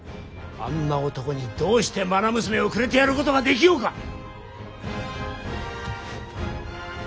あんな男にどうしてまな娘をくれてやることができようか。